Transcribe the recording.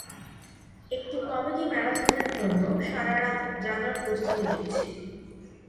একটা কমেডি ম্যারাথনের জন্য সারা রাত জাগার প্রস্তুতি নিচ্ছি।